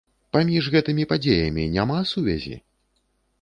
Паміж гэтымі падзеямі няма сувязі?